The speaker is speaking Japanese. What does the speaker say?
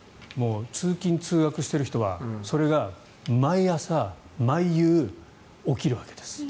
通勤・通学している人はそれが毎朝、毎夕起きるわけです。